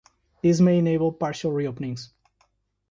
This may enable partial reopenings.